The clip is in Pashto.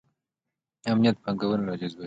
امنیت پانګونه راجذبوي